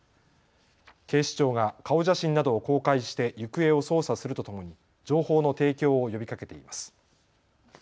警視庁が顔写真などを公開して行方を捜査するとともに情報の提供を呼びかけています。